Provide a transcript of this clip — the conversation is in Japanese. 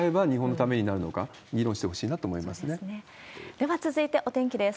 では続いてお天気です。